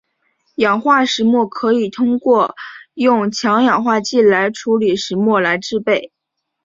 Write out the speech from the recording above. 氧化石墨可以通过用强氧化剂来处理石墨来制备。